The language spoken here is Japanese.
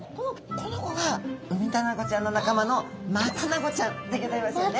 この子がウミタナゴちゃんの仲間のマタナゴちゃんでギョざいますよね。